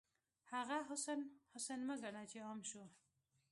هغه حسن، حسن مه ګڼه چې عام شو